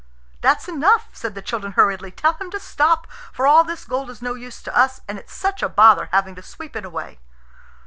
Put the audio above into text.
"That's enough," said the children hurriedly; "tell him to stop, for all this gold is no use to us, and it's such a bother having to sweep it away."